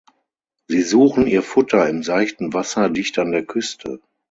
Sie suchen Ihr Futter im seichten Wasser dicht an der Küste.